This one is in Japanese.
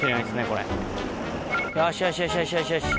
よしよしよしよし。